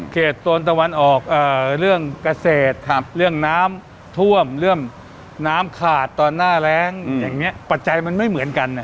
โซนตะวันออกเรื่องเกษตรเรื่องน้ำท่วมเรื่องน้ำขาดตอนหน้าแรงอย่างนี้ปัจจัยมันไม่เหมือนกัน